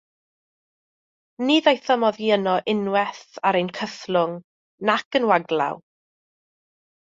Ni ddaethom oddi yno unwaith ar ein cythlwng nac yn waglaw.